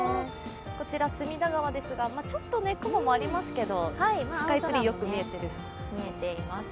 こちら、隅田川ですが、ちょっと雲もありますけど、スカイツリー、よく見えています。